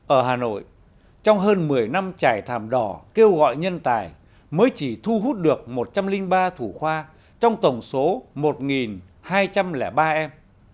ở hà nội trong hơn một mươi năm trải thảm đỏ kêu gọi nhân tài mới chỉ thu hút được một trăm linh ba thủ khoa trong tổng số một hai trăm linh ba em